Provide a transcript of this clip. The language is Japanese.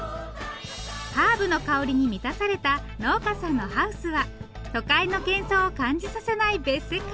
ハーブの香りに満たされた農家さんのハウスは都会のけん騒を感じさせない別世界。